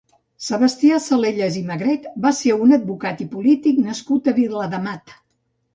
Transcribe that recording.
Sebastià Salellas i Magret va ser un advocat i polític nascut a Viladamat.